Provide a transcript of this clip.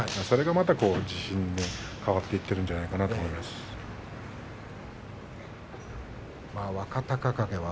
それがまた自信に変わっていってるんじゃないですかね。